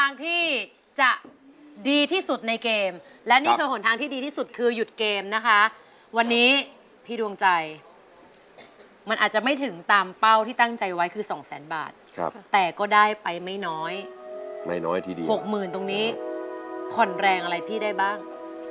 อันนี้คือหนทางที่ดีที่สุดคือหยุดเกมนะคะวันนี้พี่ดวงใจมันอาจจะไม่ถึงตามเป้าที่ตั้งใจไว้คือ๒๐๐๐๐๐บาทครับแต่ก็ได้ไปไม่น้อยไม่น้อยที่๖๐๐๐๐ตรงนี้ขนแรงอะไรที่ได้บ้าง